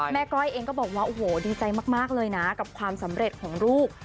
ก้อยเองก็บอกว่าโอ้โหดีใจมากเลยนะกับความสำเร็จของลูก